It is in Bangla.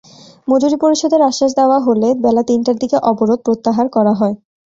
মজুরি পরিশোধের আশ্বাস দেওয়া হলে বেলা তিনটার দিকে অবরোধ প্রত্যাহার করা হয়।